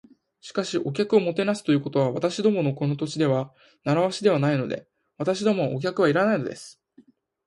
「しかし、お客をもてなすということは、私どものこの土地では慣わしではないので。私どもはお客はいらないのです」